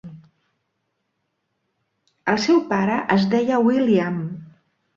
El seu pare es deia William.